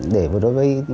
để đối với